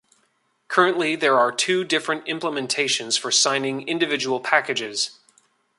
Currently there are two different implementations for signing individual packages.